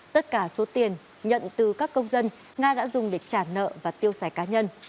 tất cả số tiền nhận từ các công dân nga đã dùng để trả nợ và tiêu xài cá nhân